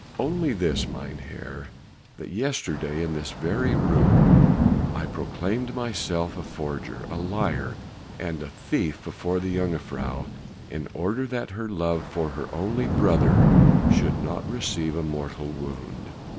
"Only this, mynheer, that yesterday in this very room I proclaimed myself a forger, a liar and a thief before the jongejuffrouw in order that her love for her only brother should not receive a mortal wound.